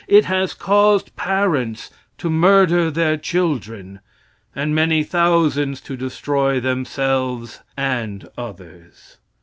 It has caused parents to murder their children and many thousands to destroy themselves and others.